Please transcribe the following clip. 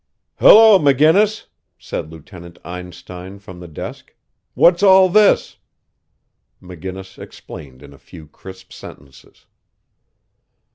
"Hello, McGinnis," said Lieut. Einstein from the desk; "what's all this?" McGinnis explained in a few crisp sentences.